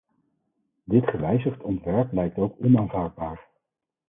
Dit gewijzigd ontwerp lijkt ook onaanvaardbaar.